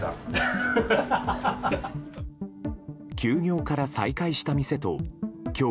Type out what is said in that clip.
休業から再開した店と今日